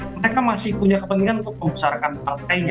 mereka masih punya kepentingan untuk membesarkan partainya